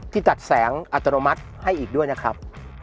ที่ตัดแสงอัตโนมัติให้อีกด้วยนะครับ